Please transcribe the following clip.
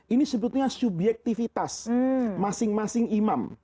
ini sebetulnya subjektivitas masing masing imam